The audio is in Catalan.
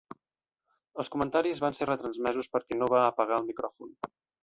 Els comentaris van ser retransmesos perquè no va apagar el micròfon.